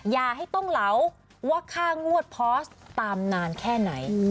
อย่าให้ต้องเหลาว่าค่างวดพอสตามนานแค่ไหน